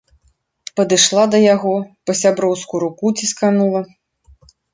Падышла да яго, па-сяброўску руку цісканула.